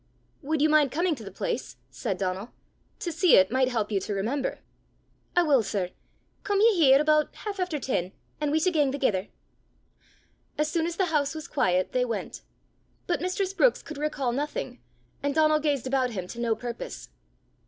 "Would you mind coming to the place?" said Donal. "To see it might help you to remember." "I wull, sir. Come ye here aboot half efter ten, an' we s' gang thegither." As soon as the house was quiet, they went. But Mistress Brookes could recall nothing, and Donal gazed about him to no purpose.